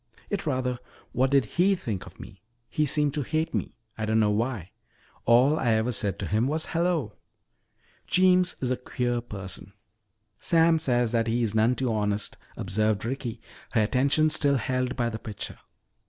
"It's rather what did he think of me. He seemed to hate me. I don't know why. All I ever said to him was 'Hello.'" "Jeems is a queer person " "Sam says that he is none too honest," observed Ricky, her attention still held by the picture.